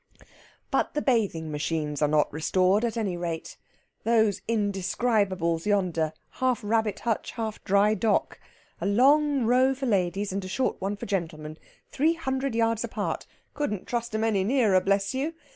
But the bathing machines are not restored, at any rate. Those indescribables yonder, half rabbit hutch, half dry dock a long row for ladies and a short one for gentlemen, three hundred yards apart couldn't trust 'em any nearer, bless you!